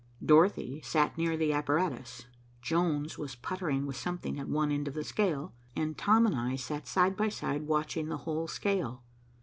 Dorothy sat near the apparatus. Jones was puttering with something at one end of the scale, and Tom and I sat side by side, watching the whole scale.